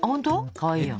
かわいいやん。